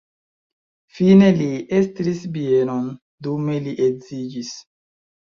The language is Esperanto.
Fine li estris bienon, dume li edziĝis.